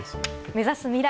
目指す未来